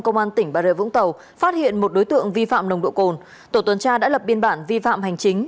công an tỉnh bà rịa vũng tàu phát hiện một đối tượng vi phạm nồng độ cồn tổ tuần tra đã lập biên bản vi phạm hành chính